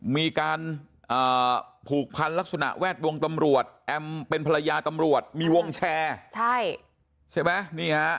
มีการผูกพันลักษณะแวดวงตำรวจแอมเป็นภรรยาตำรวจมีวงแชร์ใช่ไหม